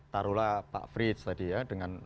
taruhlah pak frits tadi ya dengan